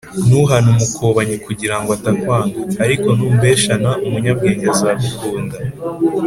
ntuhane umukobanyi kugira ngo atakwanga, ariko numbershana umunyabwenge azagukunda